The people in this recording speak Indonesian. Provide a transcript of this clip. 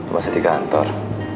masih di kantor